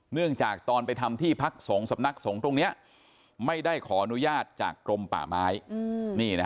เนื่องจากตอนไปทำที่พักสงฆ์สำนักสงฆ์ตรงนี้ไม่ได้ขออนุญาตจากกรมป่าไม้